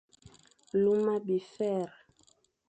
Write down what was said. Luma bifer,